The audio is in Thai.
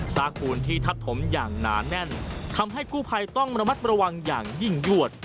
ปูนที่ทับถมอย่างหนาแน่นทำให้กู้ภัยต้องระมัดระวังอย่างยิ่งยวด